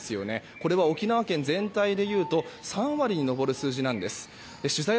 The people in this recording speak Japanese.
これは、沖縄県全体でいうと３割に上る数字です。